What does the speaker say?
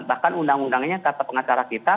bahkan undang undangnya kata pengacara kita